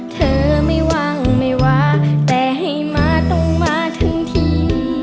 เธอไม่ว่างไม่ว่าแต่ให้มาต้องมาถึงที